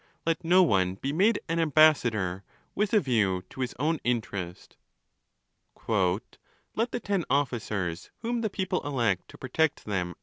Let no one be made an ambassador with a view to his own interest. "Let the ten officers whom the people elect to protect them.